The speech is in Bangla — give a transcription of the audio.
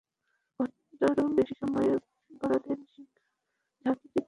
ঘণ্টারও বেশি সময় গরাদের শিক ঝাঁকিয়ে চিৎকার করে সাহায্য ভিক্ষা করে গেছে।